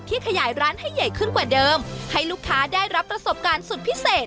ขยายร้านให้ใหญ่ขึ้นกว่าเดิมให้ลูกค้าได้รับประสบการณ์สุดพิเศษ